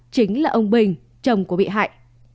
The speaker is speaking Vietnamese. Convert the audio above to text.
chính là ông bình chồng của bị hại